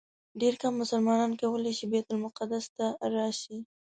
ډېر کم مسلمانان کولی شي بیت المقدس ته راشي.